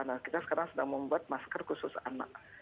nah kita sekarang sedang membuat masker khusus anak